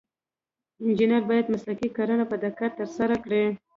انجینر باید مسلکي کړنې په دقت ترسره کړي.